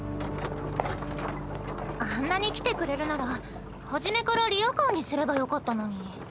あんなに来てくれるなら初めからリヤカーにすればよかったのに。